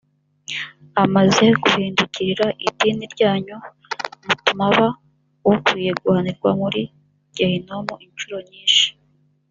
amaze guhindukirira idini ryanyu mutuma aba ukwiriye guhanirwa muri gehinomu incuro nyinshi